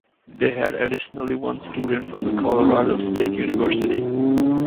They had additionally one student from the Colorado State University.